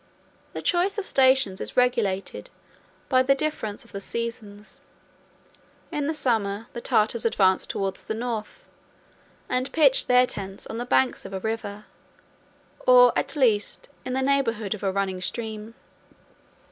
The choice of stations is regulated by the difference of the seasons: in the summer, the Tartars advance towards the North, and pitch their tents on the banks of a river, or, at least, in the neighborhood of a running stream.